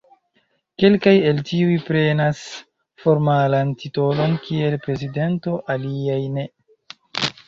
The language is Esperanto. Kelkaj el tiuj prenas formalan titolon kiel "prezidento", aliaj ne.